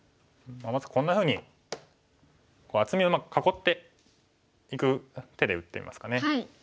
まずこんなふうに厚みをうまく囲っていく手で打ってみますかね。